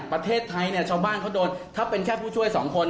ประเทศไทยเนี่ยชาวบ้านเขาโดนถ้าเป็นแค่ผู้ช่วยสองคน